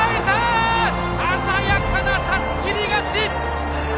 鮮やかな差しきり勝ち！